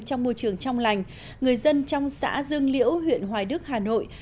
trong môi trường trong lành người dân trong xã dương liễu huyện hoài đức hà nội